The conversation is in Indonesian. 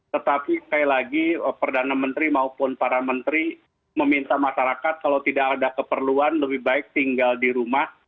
tetapi sekali lagi perdana menteri maupun para menteri meminta masyarakat kalau tidak ada keperluan lebih baik tinggal di rumah